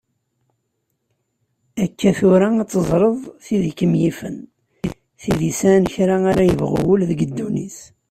Akka tura ad teẓreḍ tid i kem-yifen, tid yesɛan kra ara yebɣu wul deg dunnit.